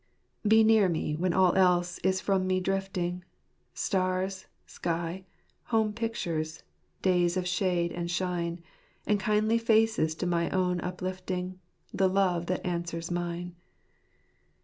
'* Be near me when all else is from me drifting, Stars, sky, home pictures, days of shade and shine, And kindly faces to my own uplifting, The love that answers mine.